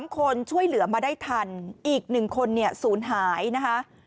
๓คนช่วยเหลือมาได้ทันอีก๑คนสูญหายนะคะ